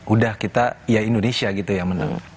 udah kita ya indonesia gitu yang menang